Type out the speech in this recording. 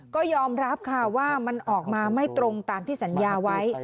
ก็ยอมรับค่ะว่ามันออกมาไม่ตรงตามที่สัญญาไว้